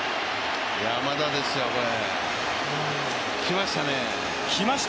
山田ですよ、これ、来ましたね。